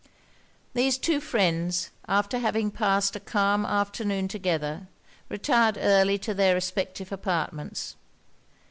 These two friends, after having passed a calm afternoon together, retired early to their respective apartments.